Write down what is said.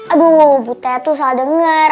aduh ustadz tuh salah denger